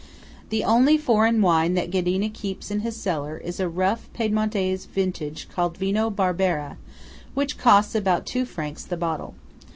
The only foreign wine that Ghedina keeps in his cellar is a rough Piedmontese vintage called Vino Barbera, which costs about two francs the bottle.